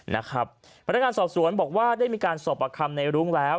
พนักงานสอบสวนบอกว่าได้มีการสอบประคำในรุ้งแล้ว